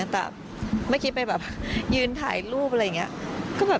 แต่เมื่อกี้ไปแบบยืนถ่ายรูปอะไรอย่างนี้